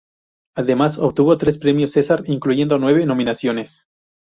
Además obtuvo tres premios Cesar, incluyendo nueve nominaciones.